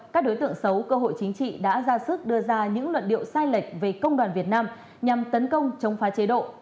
các đối tượng xấu cơ hội chính trị đã ra sức đưa ra những luận điệu sai lệch về công đoàn việt nam nhằm tấn công chống phá chế độ